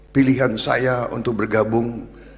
pilihan saya untuk bergabung